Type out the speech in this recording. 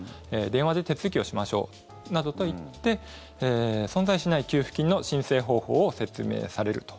電話で手続きをしましょうなどと言って存在しない給付金の申請方法を説明されると。